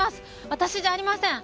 私じゃありません。